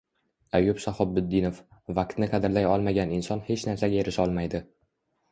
Ayub Shahobiddinov: «Vaqtni qadrlay olmagan inson hech narsaga erisholmaydi»